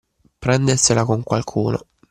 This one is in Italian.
Prendersela con qualcuno.